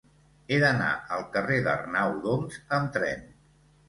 He d'anar al carrer d'Arnau d'Oms amb tren.